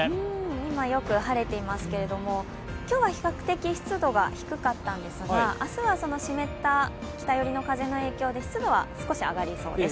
今、よく晴れていますけれども、今日は比較的湿度が低かったのですが、明日は湿った北寄りの風の影響で湿度は少し上がりそうです。